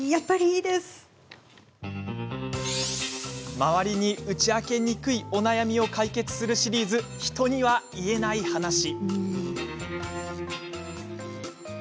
周りに打ち明けにくいお悩みを解決するシリーズ「人には言えないハナシ」。